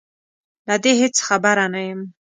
له دې هېڅ خبره نه یم